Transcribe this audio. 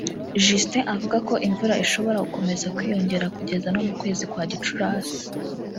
Justin avuga ko imvura ishobora gukomeza kwiyongera kugeza no mu kwezi kwa Gicurasi